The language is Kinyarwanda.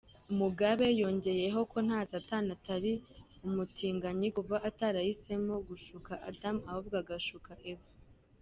Mugabe yongeyeho ko na satani atari umutinganyi kuba, "atarahisemo gushuka Adam ahubwo agashuka Eva.